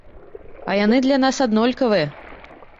А яны для нас аднолькавыя.